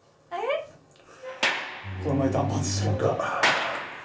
この前、断髪式やった。